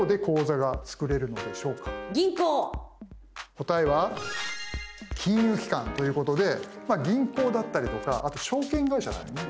答えは金融機関ということで銀行だったりとかあと証券会社だよね。